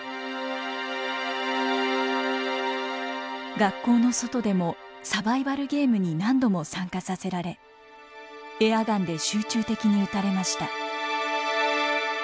学校の外でもサバイバルゲームに何度も参加させられエアガンで集中的に撃たれました。